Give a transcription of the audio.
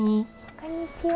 こんにちは。